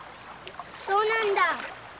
そうなんだ。